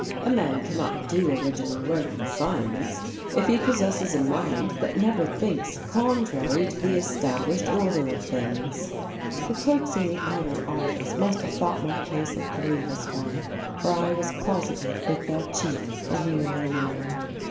"A man cannot do original work in science if he possesses a mind that never thinks contrary to the established order of things." The clerks in the outer office must have thought my case a grievous one for I was closeted with their chief for nearly an hour.